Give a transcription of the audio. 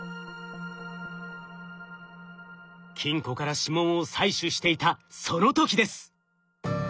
金庫から指紋を採取していたその時です！